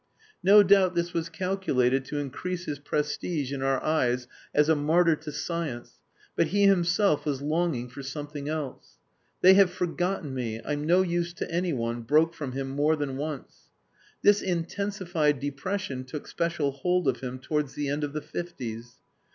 No doubt this was calculated to increase his prestige in our eyes as a martyr to science, but he himself was longing for something else. "They have forgotten me! I'm no use to anyone!" broke from him more than once. This intensified depression took special hold of him towards the end of the fifties.